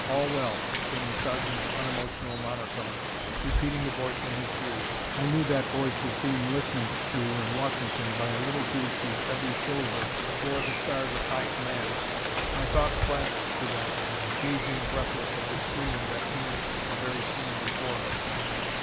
All well," came the sergeant's unemotional monotone, repeating the voice in his ears. I knew that voice was being listened to in Washington by a little group whose every shoulder bore the stars of high command. My thoughts flashed to them, gazing breathless at the screen that imaged the very scene before us.